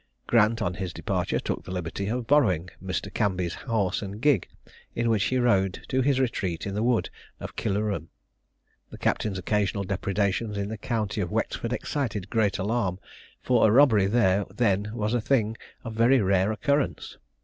Grant, on his departure, took the liberty of borrowing Mr. Cambie's horse and gig, in which he rode to his retreat in the wood of Killoughram. The Captain's occasional depredations in the county of Wexford excited great alarm, for a robbery there then was a thing of very rare occurrence.